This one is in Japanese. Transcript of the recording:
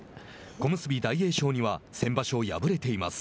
小結・大栄翔には先場所敗れています。